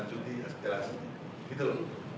khusus untuk pulang struktur sekarang kan belum